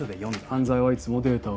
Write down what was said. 犯罪はいつもデータを裏切る。